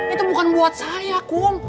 itu bukan buat saya kum